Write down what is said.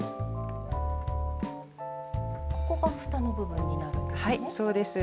ここがふたの部分になるんですね。